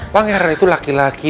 pangeran itu laki laki